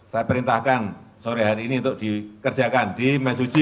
saya perintahkan sore hari ini untuk dikerjakan di mesuji